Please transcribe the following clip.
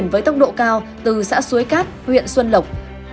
với tốc độ cao từ xã suối cát huyện xuân lộc